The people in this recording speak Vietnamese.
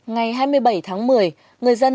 ngày hai mươi bảy tháng một mươi